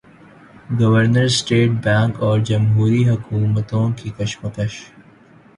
governor state bank اور جمہوری حکومتوں کی کشمکش